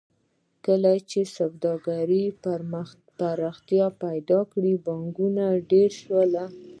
کله چې سوداګرۍ پراختیا پیدا کړه بانکونه ډېر شول